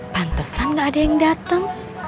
pantesan gak ada yang datang